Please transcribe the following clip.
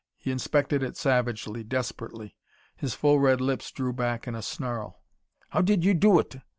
He inspected it savagely, desperately. His full red lips drew back in a snarl. "How did you do it?"